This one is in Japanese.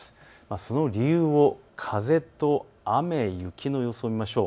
その理由を風と雨、雪の様子で見てみましょう。